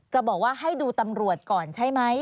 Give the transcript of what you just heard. จะบอกว่าให้ดูตำรวจก่อนใช่ไหม